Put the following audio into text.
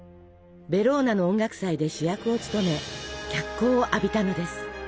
ベローナの音楽祭で主役を務め脚光を浴びたのです。